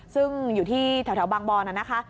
ซึ่งอยู่ที่แถวบางบอนนะคะ